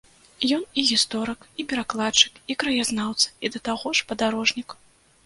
Ён і гісторык, і перакладчык, і краязнаўца, і да таго ж падарожнік.